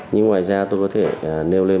nhưng ngoài ra tôi có thể nêu lên